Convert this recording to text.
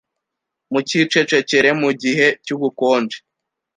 mukicecekere mu gihe cyubukonje!